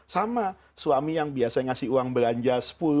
sama suami yang biasa ngasih uang belanja sepuluh